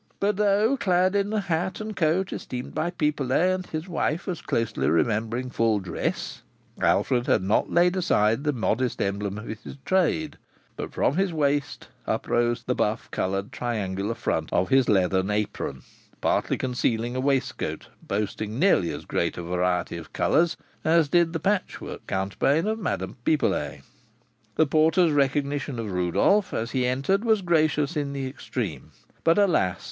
But, though clad in a hat and coat esteemed by Pipelet and his wife as closely resembling full dress, Alfred had not laid aside the modest emblem of his trade, but from his waist uprose the buff coloured triangular front of his leathern apron, partly concealing a waistcoat boasting nearly as great a variety of colours as did the patchwork counterpane of Madame Pipelet. The porter's recognition of Rodolph as he entered was gracious in the extreme; but, alas!